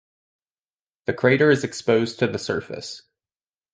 The crater is exposed to the surface.